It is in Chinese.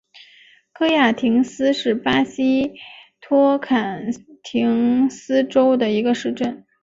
戈亚廷斯是巴西托坎廷斯州的一个市镇。